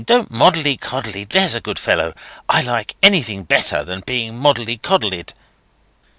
Don't moddley coddley, there's a good fellow. I like anything better than being moddley coddleyed."